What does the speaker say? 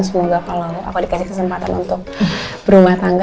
semoga kalau aku dikasih kesempatan untuk berumah tangga